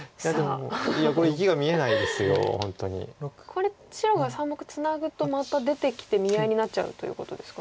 これ白が３目ツナぐとまた出てきて見合いになっちゃうということですかね。